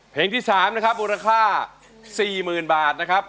เพลงที่๓นะครับมูลค่า๔๐๐๐บาทนะครับ